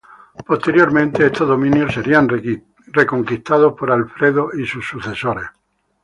Posteriormente, estos dominios serían reconquistados por Alfredo y sus sucesores.